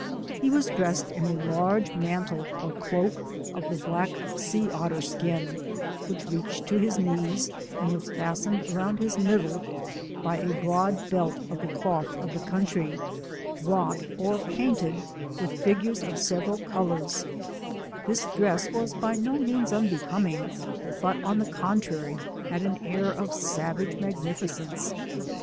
He was dressed in a large mantle or cloak of the black sea otter skin, which reached to his knees, and was fastened around his middle by a broad belt of the cloth of the country, wrought, or painted with figures of several colours ; this dress was by no means un becoming, but on the contrary had an air of savage magnificence.